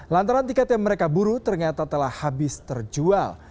lantaran tiket yang mereka buru ternyata telah habis terjual